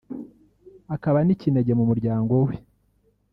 akaba n’ikinege mu muryango we